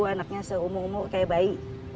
anaknya seumur umur kayak bayi